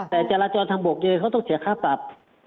แต่จราจรทางบกยืนเขาต้องเสียค่าปรับ